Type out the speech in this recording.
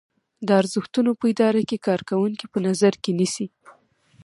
دا ارزښتونه په اداره کې کارکوونکي په نظر کې نیسي.